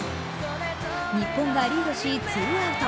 日本がリードし、ツーアウト。